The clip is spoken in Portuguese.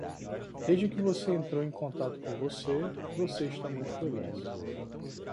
Desde que você entrou em contato com você, você está muito feliz.